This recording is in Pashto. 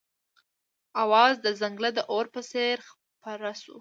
اوازه د ځنګله د اور په څېر خپره شوه.